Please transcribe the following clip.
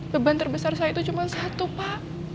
beban terbesar saya itu cuma satu pak